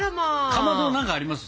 かまど何かあります？